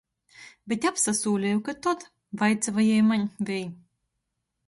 Bet apsasūleju, ka tod. Vaicuoja jei maņ, vei.